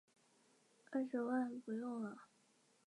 新疆卷叶蛛为卷叶蛛科卷叶蛛属的动物。